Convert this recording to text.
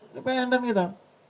itu pendam kita